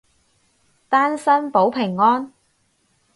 單身保平安